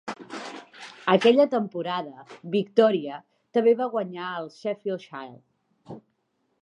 Aquella temporada, Victòria també va guanyar el Sheffield Shield.